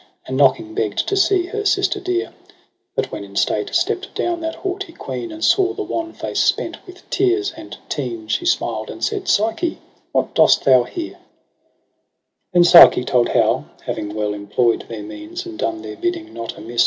And knocking begg'd to see her sister dear j But when in state stepp'd down that haughty queen, And saw the wan face spent with tears and teen. She smiled, and said 'Psyche, what dost thou here?' ■3,% , Then^Psyche told how, having well employ'd Their means, and done their bidding not amiss.